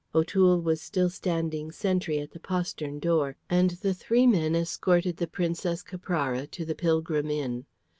O'Toole was still standing sentry at the postern door, and the three men escorted the Princess Caprara to the Pilgrim Inn.